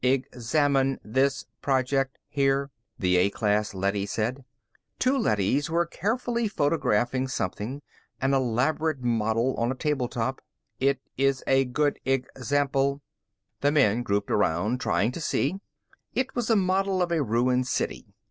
"Examine this project here," the A class leady said. Two leadys were carefully photographing something, an elaborate model on a table top. "It is a good example." The men grouped around, trying to see. It was a model of a ruined city.